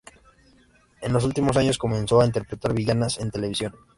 En los últimos años comenzó a interpretar villanas en televisión.